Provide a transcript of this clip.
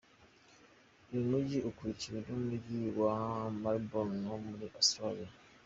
Uyu mugi, Ukurikiwe n’umujyi wa Melbourne wo muri Australia.